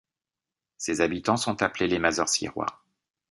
Ses habitants sont appelés les Masorciérois.